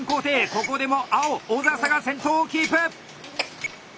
ここでも青小佐々が先頭をキープ！